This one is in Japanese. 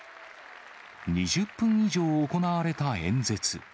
２０分以上行われた演説。